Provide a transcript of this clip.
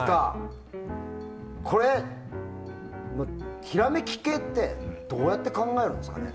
これ、ひらめき系ってどうやって考えるんですかね。